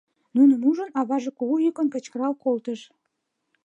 Нуным ужын, аваже кугу йӱкын кычкырал колтыш.